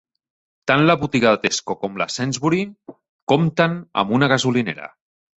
Tant la botiga de Tesco com la de Sainsbury compten amb una gasolinera.